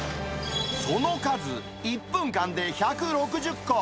その数、１分間で１６０個。